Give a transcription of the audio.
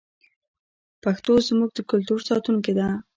پښتو زموږ د کلتور ساتونکې ده.